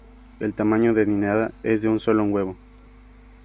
El tamaño de nidada es de un solo huevo.